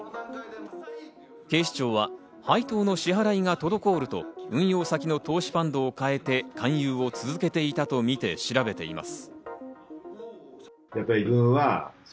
警視庁は配当の支払いが滞ると運用先の投資ファンドを変えて勧誘を続けていたとみて調べています。